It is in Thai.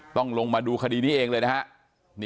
ต้องลงมาดูคดีเองเลยนะครับ